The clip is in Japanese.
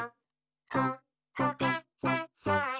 「ここからさきは」